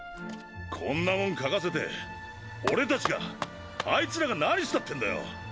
こんなもん書かせて俺たちがあいつらが何したってんだよ！